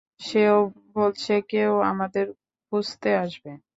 সেও বলছে কেউ আমাদের খুঁজতে আসবে।